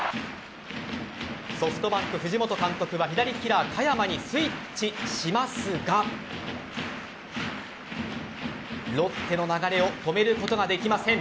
ソフトバンク・藤本監督は左キラー・嘉弥真にスイッチしますがロッテの流れを止めることができません。